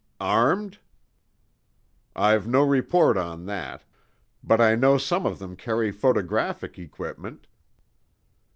"Armed?" "I've no report on that. But I know some of them carry photographic equipment."